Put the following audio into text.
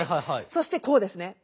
そしてこうですね。